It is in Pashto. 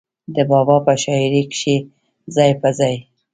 د بابا پۀ شاعرۍ کښې ځای پۀ ځای